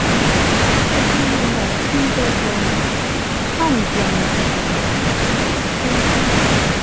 在今天的清川江与汉江之间的东部。